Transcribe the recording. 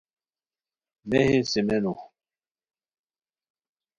میہی سیمینو